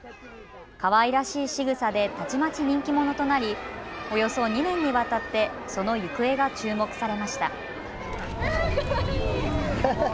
かわいらしいしぐさでたちまち人気者となりおよそ２年にわたってその行方が注目されました。